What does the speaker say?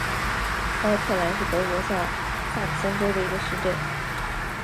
霍尔特兰是德国下萨克森州的一个市镇。